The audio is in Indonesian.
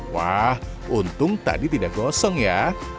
wah untung tadi tidak gosong ya